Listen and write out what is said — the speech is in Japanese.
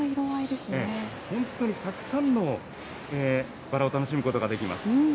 本当にたくさんのバラを楽しむことができます。